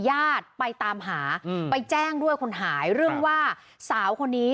ญาติไปตามหาไปแจ้งด้วยคนหายเรื่องว่าสาวคนนี้